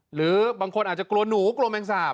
หรือบางคนอาจจะกลัวหนูกลัวแมงสาบ